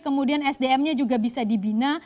kemudian sdm nya juga bisa dibina